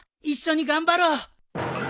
一緒に頑張ろう。